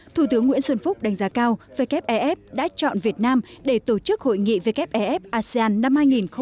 thủ tướng nguyễn xuân phúc đánh giá cao wff đã chọn việt nam để tổ chức hội nghị wff asean năm hai nghìn một mươi tám